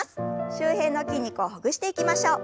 周辺の筋肉をほぐしていきましょう。